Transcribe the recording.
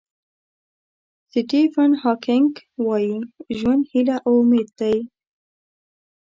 سټیفن هاکینګ وایي ژوند هیله او امید دی.